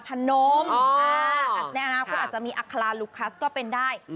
แน่นอนนะเขาอาจจะมีอัคลาลูคัสก็เป็นได้